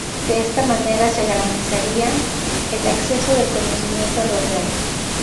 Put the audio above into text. De esta manera se garantizaría el acceso del conocimiento a lo real.